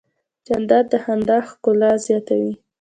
جانداد د خندا ښکلا زیاتوي.